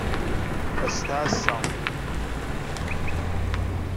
Ad s-t-εasseɣ.